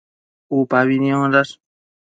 Upabi niondash